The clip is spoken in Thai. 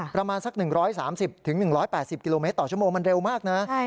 ประมาณสัก๑๓๐๑๘๐กิโลเมตรต่อชั่วโมงมันเร็วมากนะ